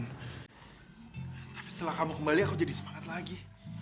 tapi setelah kamu kembali aku jadi semangat lagi